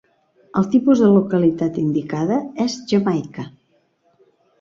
El tipus de localitat indicada és "Jamaica".